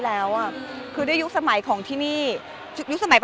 บอกไปบางคนเขาไม่ชอบยังไงเขาก็ไม่ชอบอยู่ดี